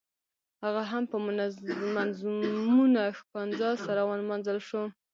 هغه هم په منظمونه ښکنځا سره ونمانځل شو.